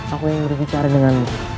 aku yang berbicara denganmu